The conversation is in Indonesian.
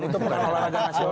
itu bukan olahraga nasional